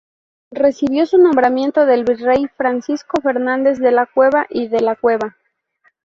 Recibió su nombramiento del virrey Francisco Fernández de la Cueva y de la Cueva.